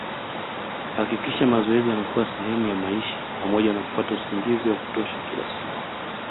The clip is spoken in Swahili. Hakikisha mazoezi yanakuwa sehemu ya maisha pamoja na kupata usingizi wa kutosha kila siku